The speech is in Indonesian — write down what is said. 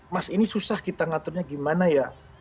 mas ini susah kita ngaturnya gimana ya